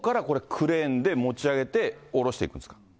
クレーンで持ち上げて降ろしていくんですか。